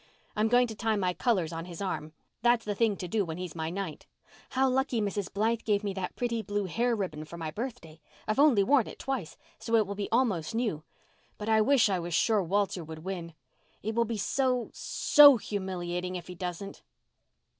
I'm going to tie my colours on his arm—that's the thing to do when he's my knight. How lucky Mrs. Blythe gave me that pretty blue hair ribbon for my birthday! I've only worn it twice so it will be almost new. But I wish I was sure Walter would win. It will be so—so humiliating if he doesn't."